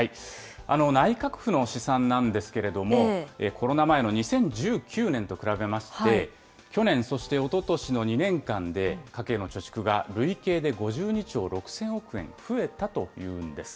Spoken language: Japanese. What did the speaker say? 内閣府の試算なんですけれども、コロナ前の２０１９年と比べまして、去年、そしておととしの２年間で、家計の貯蓄が累計で５２兆６０００億円増えたというんです。